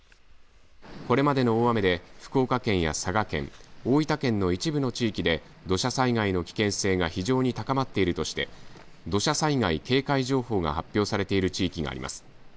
これまでの大雨で福岡県や佐賀県大分県の一部の地域で土砂災害の危険性が非常に高まっているとして土砂災害警戒情報が発表されている地域があります。